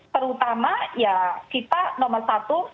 terutama ya kita nomor satu